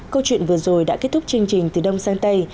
câu chuyện vừa rồi đã kết thúc chương trình từ đông sang tây